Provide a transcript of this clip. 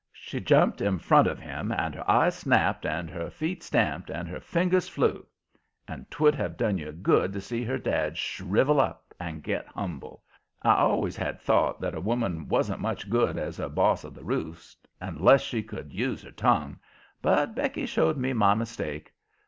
She jumped in front of him, and her eyes snapped and her feet stamped and her fingers flew. And 'twould have done you good to see her dad shrivel up and get humble. I always had thought that a woman wasn't much good as a boss of the roost unless she could use her tongue, but Becky showed me my mistake.